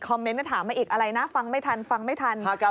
เมนต์ก็ถามมาอีกอะไรนะฟังไม่ทันฟังไม่ทัน